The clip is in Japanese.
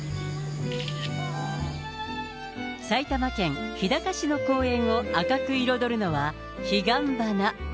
埼玉県日高市の公園を赤く彩るのは、彼岸花。